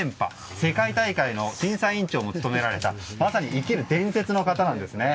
世界大会の審査委員長も務められたまさに生きる伝説の方なんですね。